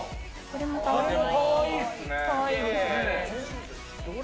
これも、かわいい！